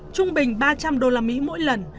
trung bình ba trăm linh usd mỗi lần